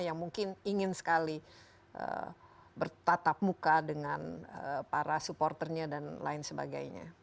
yang mungkin ingin sekali bertatap muka dengan para supporternya dan lain sebagainya